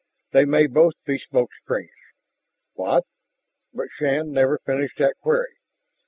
They may both be smoke screens " "What ?" But Shann never finished that query.